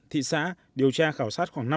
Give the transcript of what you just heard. thị xã điều tra khảo sát khoảng năm mươi